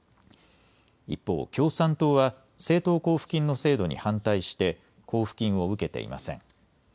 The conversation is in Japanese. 一方、共産党は政党交付金の制度に反対して、交付金を受けていません。